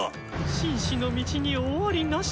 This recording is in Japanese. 紳士の道に終わりなし。